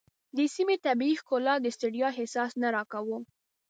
د سیمې طبیعي ښکلا د ستړیا احساس نه راکاوه.